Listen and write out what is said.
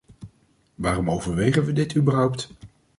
Waarom overwegen we dit überhaupt?